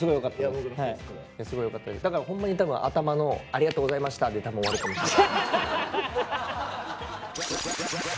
だからほんまに多分頭の「ありがとうございました」で多分終わると思う。